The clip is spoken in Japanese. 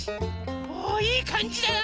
おおいいかんじだな！